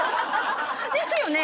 ですよね